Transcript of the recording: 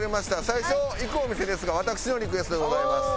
最初行くお店ですが私のリクエストでございます。